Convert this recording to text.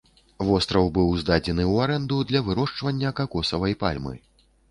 Востраў быў здадзены ў арэнду для вырошчвання какосавай пальмы.